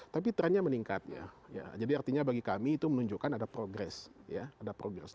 tapi trennya meningkat ya jadi artinya bagi kami itu menunjukkan ada progress ya